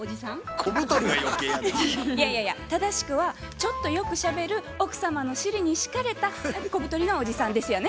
正しくはちょっとよくしゃべる奥様の尻に敷かれた小太りのおじさんですよね？